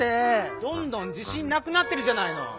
どんどんじしんなくなってるじゃないの！